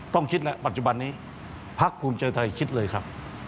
ต้องคิดนะปัจจุบันนี้พักภูมิใจไทยคิดเลยครับ